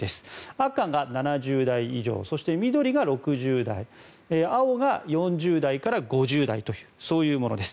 赤が７０代以上そして緑が６０代青が４０代から５０代というそういうものです。